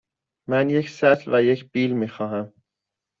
من یک سطل و یک بیل می خواهم.